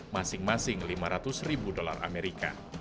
masing masing lima ratus ribu dolar amerika